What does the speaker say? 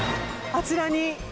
あちらに。